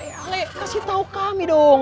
ale kasih tau kami dong